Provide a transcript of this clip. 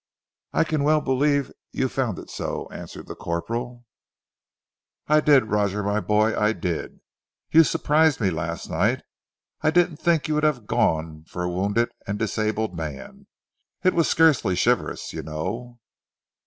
"I can well believe you found it so," answered the corporal. "I did, Roger my boy, I did. You surprised me last night. I didn't think you would have gone for a wounded and disabled man. It was scarcely chivalrous, you know."